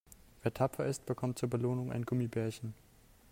Wer tapfer ist, bekommt zur Belohnung ein Gummibärchen.